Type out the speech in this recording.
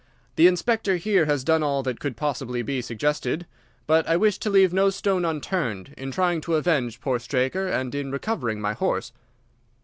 "The Inspector here has done all that could possibly be suggested, but I wish to leave no stone unturned in trying to avenge poor Straker and in recovering my horse."